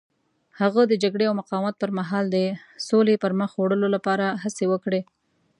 هغه د جګړې او مقاومت پر مهال د سولې پرمخ وړلو لپاره هڅې وکړې.